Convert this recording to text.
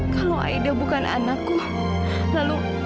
kalau aida bukan anakku lalu